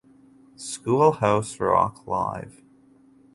Schoolhouse Rock Live!